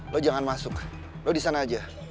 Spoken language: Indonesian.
lo jangan masuk lo di sana aja